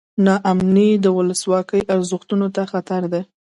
نا امني د ولسواکۍ ارزښتونو ته خطر دی.